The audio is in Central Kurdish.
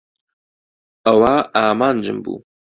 ئەوە ئامانجم بوو.